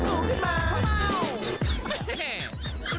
เฮ่เฮ่เฮ่เฮ่